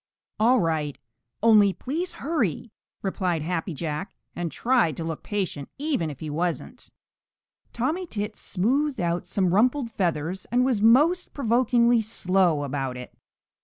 "All right, only please hurry," replied Happy Jack, and tried to look patient even if he wasn't. Tommy Tit smoothed out some rumpled feathers and was most provokingly slow about it.